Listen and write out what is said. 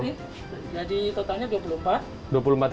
jadi totalnya rp dua puluh empat